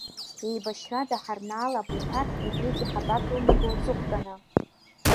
Еибашьрада ҳарнаалап уҳәар, убригьы ҳабакылнаго аҵыхәтәаны?